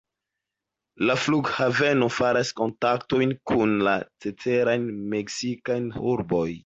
La flughaveno faras kontaktojn kun la ceteraj meksikaj urboj.